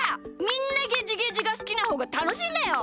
みんなゲジゲジがすきなほうがたのしいんだよ！